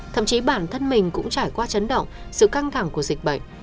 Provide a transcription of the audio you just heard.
thậm chí bản thân mình cũng trải qua chấn động sự căng thẳng của dịch bệnh